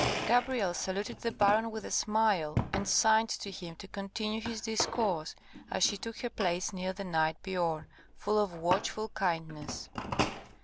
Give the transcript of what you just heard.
Gabrielle saluted the baron with a smile, and signed to him to continue his discourse, as she took her place near the knight Biorn, full of watchful kindness.